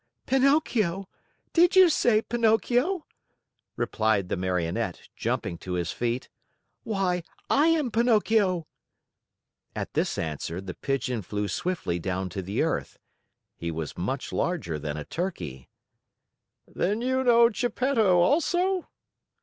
"Pinocchio! Did you say Pinocchio?" replied the Marionette, jumping to his feet. "Why, I am Pinocchio!" At this answer, the Pigeon flew swiftly down to the earth. He was much larger than a turkey. "Then you know Geppetto also?"